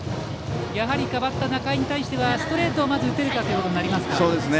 代わった仲井に対してはストレートを打てるかということになりますか。